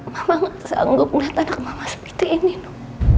mama nggak sanggup melihat anak mama seperti ini nino